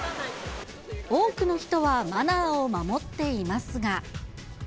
多くの人はマナーを守っていますが。